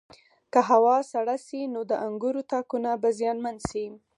که هوا سړه شي نو د انګورو تاکونه به زیانمن شي.